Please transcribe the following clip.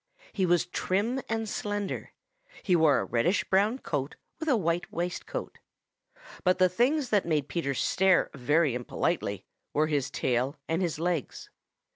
He was trim and slender. He wore a reddish brown coat with a white waistcoat. But the things that made Peter stare very impolitely were his tail and his legs.